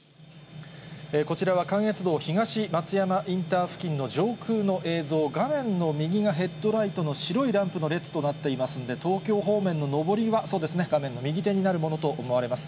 こちらは関越道東松山インター付近の上空の映像、画面の右がヘッドライトの白いランプの列となっていますんで、東京方面の上りは、そうですね、画面の右手になるものと思われます。